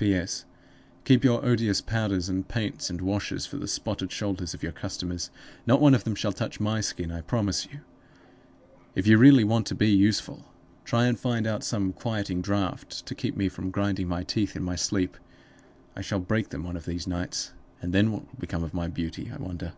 "P.S. Keep your odious powders and paints and washes for the spotted shoulders of your customers; not one of them shall touch my skin, I promise you. If you really want to be useful, try and find out some quieting draught to keep me from grinding my teeth in my sleep. I shall break them one of these nights; and then what will become of my beauty, I wonder?"